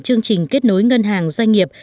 chương trình kết nối ngân hàng doanh nghiệp